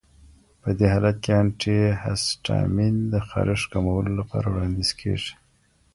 په دې حالت کې انټي هسټامین د خارښ کمولو لپاره وړاندیز کېږي.